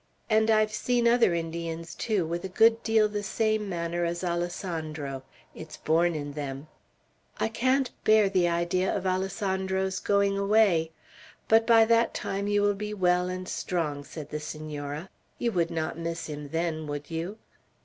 And I've seen other Indians, too, with a good deal the same manner as Alessandro. It's born in them." "I can't bear the idea of Alessandro's going away. But by that time you will be well and strong," said the Senora; "you would not miss him then, would you?"